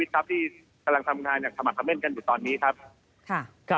ที่การทำงานอย่างสมัครการเทอร์เม้นเหมือนอยู่ตอนนี้ครับ